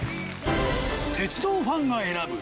鉄道ファンが選ぶ